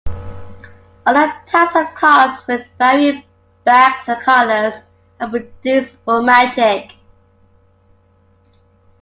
Other types of cards with varying backs and colors are produced for magic.